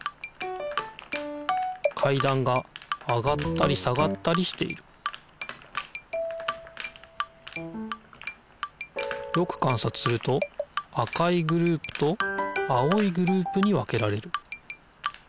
かいだんが上がったり下がったりしているよくかんさつすると赤いグループと青いグループに分けられる。